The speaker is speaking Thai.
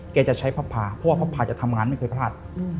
จะใช้พระพาเพราะว่าพระพาจะทำงานไม่เคยพลาด